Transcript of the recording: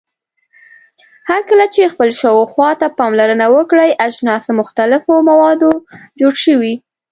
هرکله چې خپل شاوخوا ته پاملرنه وکړئ اجناس له مختلفو موادو جوړ شوي.